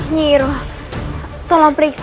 nyihiro tolong periksa ya